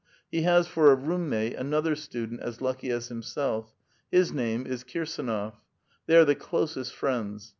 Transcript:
He has for a room mate another student as lucky as himself. His name is Kirsdnof. They are the closest friends.